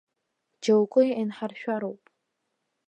Џьоукы еинҳаршәароуп.